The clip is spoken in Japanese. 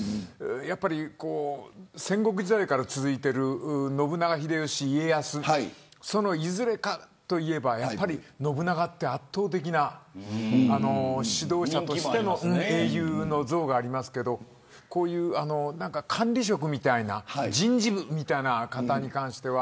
やっぱり戦国時代から続いている信長、秀吉、家康そのいずれかといえば、信長って圧倒的な指導者としての英雄の像がありますけれどこういう管理職みたいな人事部のような方に関しては。